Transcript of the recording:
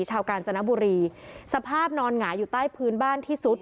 กาญจนบุรีสภาพนอนหงายอยู่ใต้พื้นบ้านที่สุด